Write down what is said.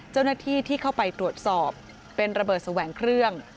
เจ้าหน้าที่ที่เข้าไปตรวจสอบเป็นระเบิดแสวงเครื่อง